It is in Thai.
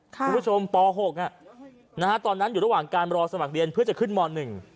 คุณผู้ชมป๖นะฮะตอนนั้นอยู่ระหว่างการรอสมัครเรียนเพื่อจะขึ้นมหนึ่ง